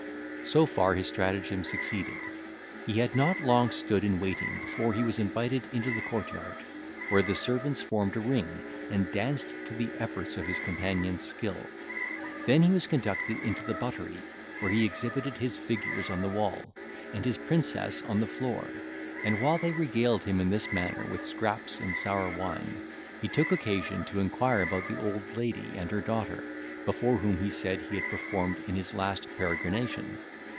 So far his stratagem succeeded; he had not long stood in waiting before he was invited into the court yard, where the servants formed a ring, and danced to the efforts of his companion's skill; then he was conducted into the buttery, where he exhibited his figures on the wall, and his princess on the floor; and while they regaled him in this manner with scraps and sour wine, he took occasion to inquire about the old lady and her daughter, before whom he said he had performed in his last peregrination.